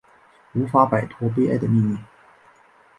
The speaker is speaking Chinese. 无法摆脱悲哀的命运